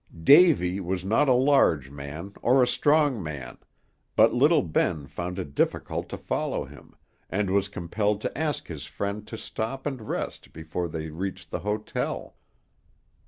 Davy was not a large man or a strong man, but little Ben found it difficult to follow him, and was compelled to ask his friend to stop and rest before they reached the hotel.